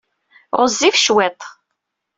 Ɣezzif cwiṭ.